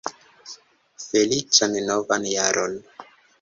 Feliĉan novan jaron!